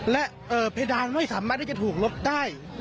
และเพดานไม่สามารถที่จะถูกลบได้